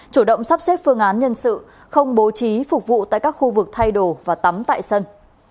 chủ động sắp xếp phương án nhân sự không bố trí phục vụ tại các khu vực thay đồ và tắm tại sân